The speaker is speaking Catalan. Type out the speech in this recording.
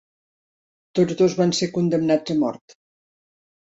Tots dos van ser condemnats a mort.